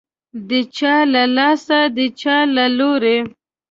د چا له لاسه، د چا له لوري